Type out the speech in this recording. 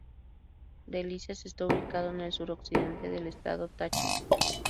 Delicias está ubicada en el suroccidente del estado Táchira.